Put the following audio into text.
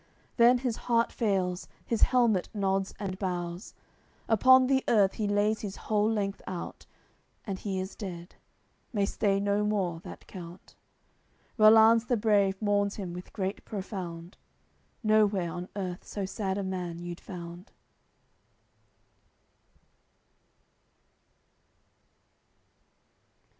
Then his heart fails; his helmet nods and bows; Upon the earth he lays his whole length out: And he is dead, may stay no more, that count. Rollanz the brave mourns him with grief profound; Nowhere on earth so sad a man you'd found.